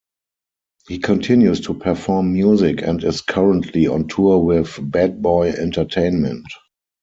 He continues to perform music and is currently on tour with Bad Boy Entertainment.